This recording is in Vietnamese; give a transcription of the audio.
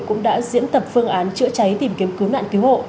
cũng đã diễn tập phương án chữa cháy tìm kiếm cứu nạn cứu hộ